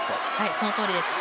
そのとおりです。